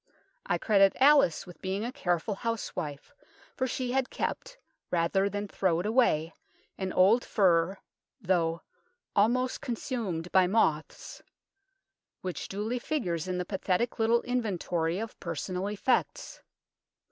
I credit Alice with being a careful housewife, for she had kept, rather than throw it away, an old fur, though " almost consumed by moths," which duly figures in the pathetic little inventory of personal effects.